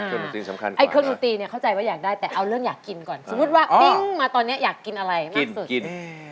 เครื่องดนตรีนี่เข้าใจว่าอยากได้แต่เอาเรื่องอยากกินก่อนสมมุติว่าปิ๊งมาตอนนี้อยากกินอะไรมากสุด